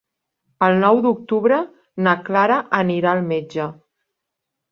El nou d'octubre na Clara anirà al metge.